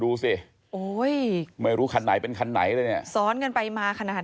ดูสิโอ้ยไม่รู้คันไหนเป็นคันไหนเลยเนี่ยซ้อนกันไปมาขนาด